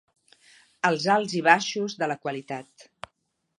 Els alts i baixos de la qualitat.